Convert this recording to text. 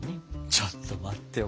ちょっと待ってよ